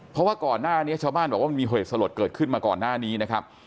เพราะว่าก่อนหน้านี้ชาวบ้านบอกว่ามันมีเหตุสลดเกิดขึ้นมาก่อนหน้านี้นะครับ